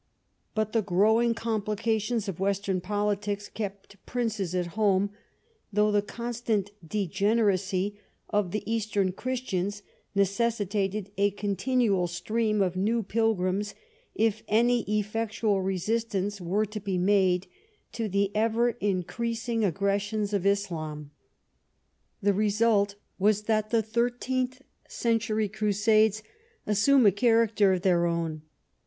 But the growing complications of Western politics kept princes at home, though the con stant degeneracy of the Eastern Christians necessitated a continual stream of new pilgrims if any effectual resistance were to be made to the ever increasing aggressions of Islam. The result was that the thirteenth century Crusades assume a character of their own.